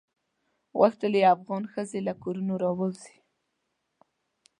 غوښتل یې افغان ښځې له کورونو راووزي.